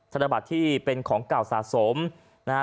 ธนบัตรที่เป็นของเก่าสะสมนะฮะ